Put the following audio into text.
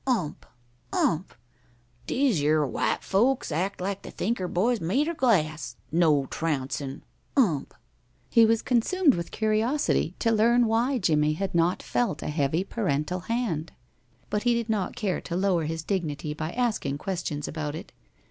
"Ump! Ump! Dese yer white folks act like they think er boy's made er glass. No trouncin'! Ump!" He was consumed with curiosity to learn why Jimmie had not felt a heavy parental hand, but he did not care to lower his dignity by asking questions about it.